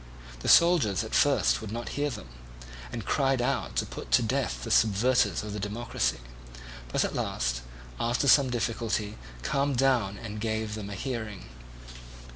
The soldiers at first would not hear them, and cried out to put to death the subverters of the democracy, but at last, after some difficulty, calmed down and gave them a hearing.